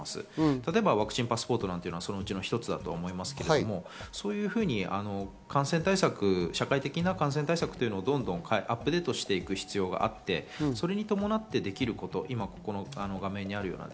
例えばワクチンパスポートはそのうちの一つだと思いますけど、そういうふうに感染対策をアップデートしていく必要があってそれに伴ってできること、画面にあるような。